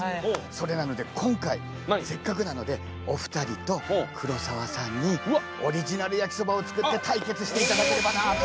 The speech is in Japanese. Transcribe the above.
それなので今回せっかくなのでお二人と黒沢さんにオリジナル焼きそばを作って対決していただければなと。